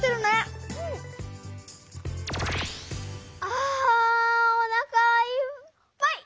あおなかいっぱい！